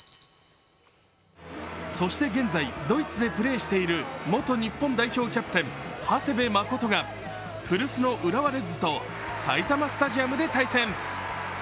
そして現在ドイツでプレーしている元日本代表キャプテン、長谷部誠が古巣の浦和レッズと埼玉スタジアムで対戦。